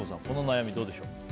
この悩み、どうでしょう。